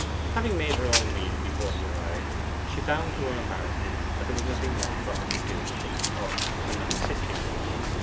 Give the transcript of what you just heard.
Having made her own meal before he arrived, she found to her embarrassment that there was nothing left for her to do but talk when not assisting him.